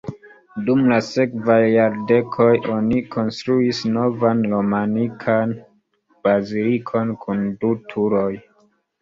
Dum la sekvaj jardekoj oni konstruis novan romanikan bazilikon kun du turoj.